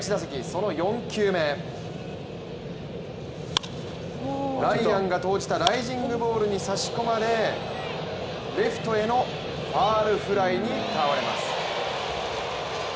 その４球目ライアンが投じたライジングボールに差し込まれレフトへのファウルフライに倒れます。